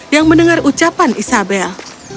yang mendengar ucapan isabel